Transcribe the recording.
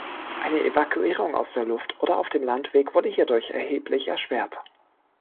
Eine Evakuierung aus der Luft oder auf dem Landweg wurde hierdurch erheblich erschwert.